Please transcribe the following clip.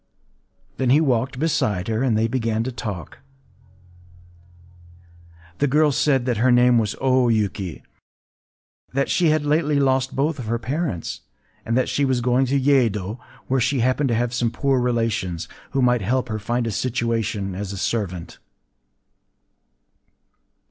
Then he walked beside her; and they began to talk. The girl said that her name was O Yuki; that she had lately lost both of her parents; and that she was going to Yedo (2), where she happened to have some poor relations, who might help her to find a situation as a servant.